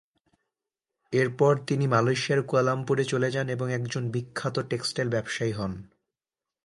এরপর তিনি মালয়েশিয়ার কুয়ালালামপুরে চলে যান এবং একজন বিখ্যাত টেক্সটাইল ব্যবসায়ী হন।